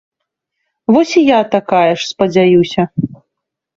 Вось і я такая ж, спадзяюся.